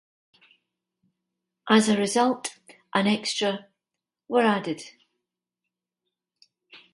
As a result, an extra were added.